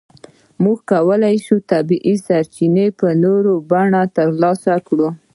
موږ کولای شو طبیعي سرچینې په نورو بڼو ترلاسه کړو.